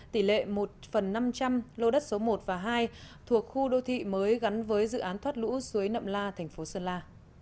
tỷ lệ một phần năm trăm linh lô đất số một và hai thuộc khu đô thị mới gắn với dự án thoát lũ suối nậm la thành phố sơn la